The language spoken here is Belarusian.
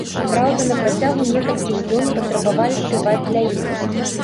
Праўда, на працягу некалькіх дзён патрабавалі спяваць для іх.